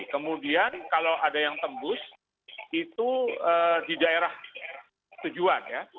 kemudian kalau ada yang tembus itu di daerah tujuan ya